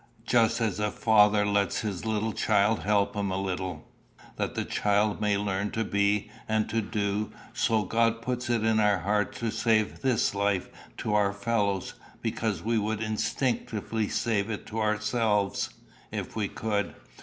Just as a father lets his little child help him a little, that the child may learn to be and to do, so God puts it in our hearts to save this life to our fellows, because we would instinctively save it to ourselves, if we could.